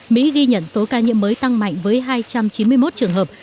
mỹ ghi nhận số ca nhiễm mới tăng mạnh với hai trăm chín mươi một trường hợp